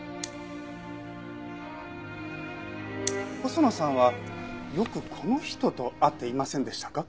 細野さんはよくこの人と会っていませんでしたか？